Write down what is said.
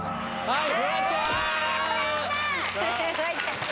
はい！